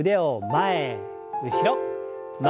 前後ろ。